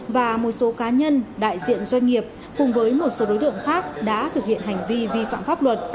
và một số cá nhân đại diện doanh nghiệp cùng với một số đối tượng khác đã thực hiện hành vi vi phạm pháp luật